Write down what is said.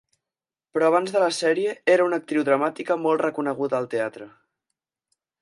Però abans de la sèrie, era una actriu dramàtica molt reconeguda al teatre.